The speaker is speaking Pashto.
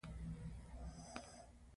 مالي سوکالي د ژوند کیفیت لوړوي.